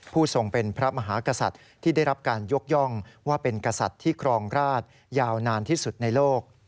ทรงเป็นพระมหากษัตริย์ที่ได้รับการยกย่องว่าเป็นกษัตริย์ที่ครองราชยาวนานที่สุดในโลก